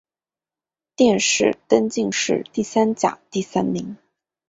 殿试登进士第三甲第三名。